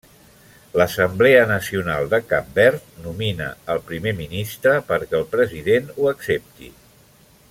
L'Assemblea Nacional de Cap Verd nomina al Primer Ministre, perquè el President ho accepti.